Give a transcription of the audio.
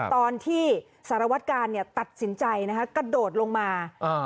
ตอนที่สารวัตกาลตัดสินใจนะคะกระโดดลงมา